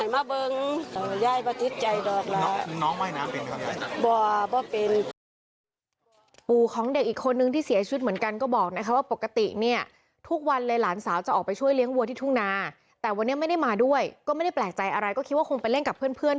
มีคนโทบไปบอกอยู่โรงพยาบาลว่า